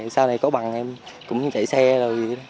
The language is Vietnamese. sau này có bằng em cũng chạy xe rồi